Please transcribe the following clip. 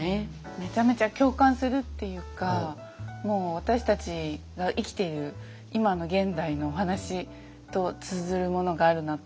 めちゃめちゃ共感するっていうか私たちが生きている今の現代のお話と通ずるものがあるなと思いましたね。